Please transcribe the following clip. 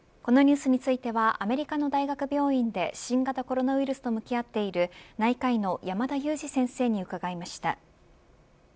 このニュースについてはアメリカの大学病院で新型コロナウイルスと向き合っている内科医の山田悠史先生に伺いました。